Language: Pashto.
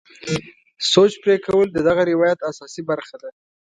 سوچ پرې کول د دغه روایت اساسي برخه ده.